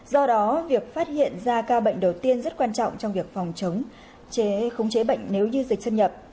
do đó việc phát hiện ra ca bệnh đầu tiên rất quan trọng trong việc phòng chống chế không chế bệnh nếu như dịch xuất nhập